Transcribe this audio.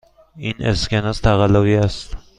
این اسکناس تقلبی است.